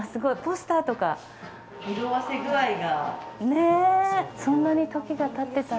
色あせ具合が。